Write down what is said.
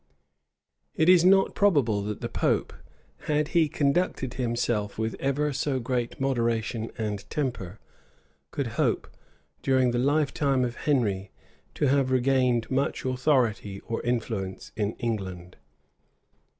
It is not probable that the pope, had he conducted himself with ever so great moderation and temper, could hope, during the lifetime of Henry, to have regained much authority or influence in England.